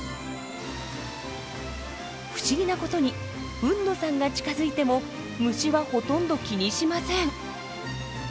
不思議なことに海野さんが近づいても虫はほとんど気にしません。